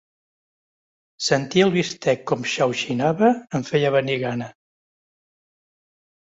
Sentir el bistec com xauxinava em feia venir gana.